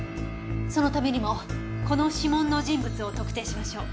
そのためにもこの指紋の人物を特定しましょう。